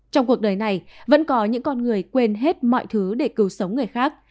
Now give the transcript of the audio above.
trong cuộc đời này vẫn có những con người quên hết mọi thứ để cứu sống người khác